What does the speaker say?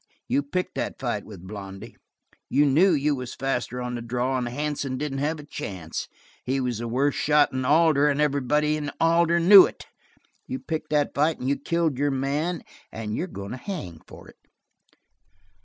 You picked that fight with Blondy. You knew you was faster on the draw and Hansen didn't have a chance. He was the worst shot in Alder and everybody in Alder knew it. You picked that fight and you killed your man, and you're goin' to hang for it."